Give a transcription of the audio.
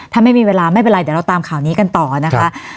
ถ้าไม่มีเวลาไม่เป็นไรเดี๋ยวเราตามข่าวนี้กันต่อนะคะ